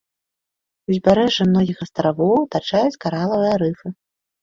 Узбярэжжа многіх астравоў атачаюць каралавыя рыфы.